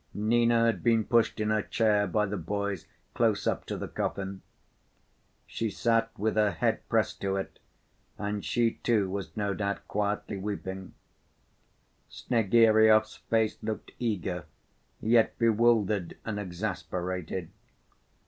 Nina had been pushed in her chair by the boys close up to the coffin. She sat with her head pressed to it and she too was no doubt quietly weeping. Snegiryov's face looked eager, yet bewildered and exasperated.